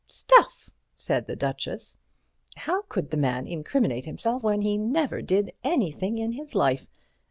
"Stuff!" said the Duchess. "How could the man incriminate himself when he never did anything in his life?